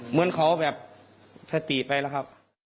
เหมือนเขาแบบสติไปแล้วครับ